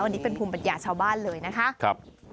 อันนี้เป็นภูมิปัญญาชาวบ้านเลยนะคะ